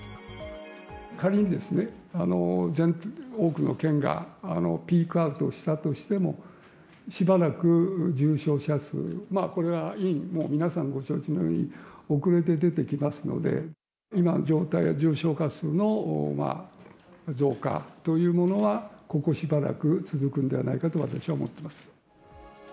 仮にですね、多くの県がピークアウトしたとしても、しばらく重症者数、これは委員、もう皆さんご承知のように、遅れて出てきますので、今の状態は、重症化数の増加というものは、ここしばらく続くんではないかと、私は思っています。